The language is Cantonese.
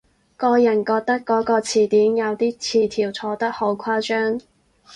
個人覺得嗰個字典有啲詞條錯得好誇張